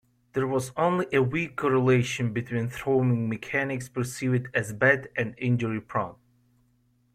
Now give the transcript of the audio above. There was only a weak correlation between throwing mechanics perceived as bad and injury-prone.